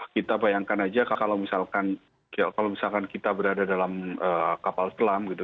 kita bayangkan aja kalau misalkan kita berada dalam kapal selam gitu